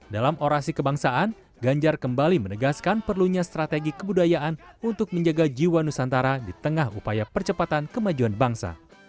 dalam orasi kebangsaan ganjar kembali menegaskan perlunya strategi kebudayaan untuk menjaga jiwa nusantara di tengah upaya percepatan kemajuan bangsa